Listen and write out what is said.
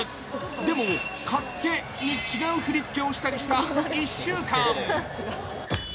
でも、勝手に違う振り付けをしたりした１週間。